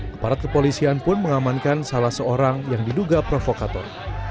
kepala kepolisian pun mengamankan salah seorang yang diduga provokator